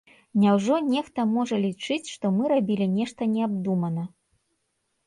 Няўжо нехта можа лічыць, што мы рабілі нешта неабдумана?